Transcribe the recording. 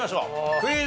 クイズ。